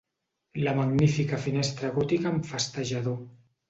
La magnífica finestra gòtica amb festejador.